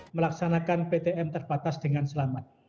melaksanakan ptm terbatas dengan selamat